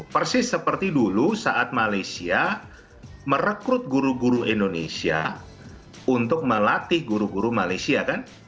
persis seperti dulu saat malaysia merekrut guru guru indonesia untuk melatih guru guru malaysia kan